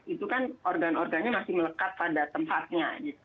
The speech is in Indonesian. itu kan organ organnya masih melekat pada tempatnya